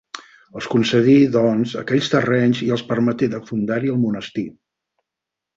Els concedí, doncs, aquells terrenys i els permeté de fundar-hi el monestir.